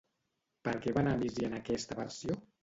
Per què va anar a Mísia en aquesta versió?